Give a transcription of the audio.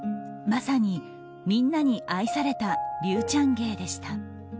まさにみんなに愛された竜ちゃん芸でした。